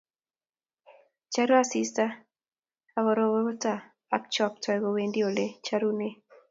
Charu asiista ak kororokto , ak choktoi kowendi ole charunee.